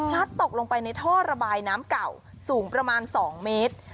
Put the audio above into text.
ตกลงไปในท่อระบายน้ำเก่าสูงประมาณ๒เมตร